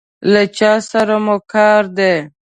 له چا سره مو کار دی؟